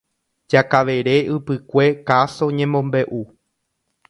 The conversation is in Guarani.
Jakavere ypykue káso ñemombeʼu.